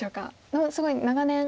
もうすごい長年。